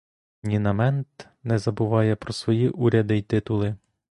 Ні на мент не забуває про свої уряди й титули.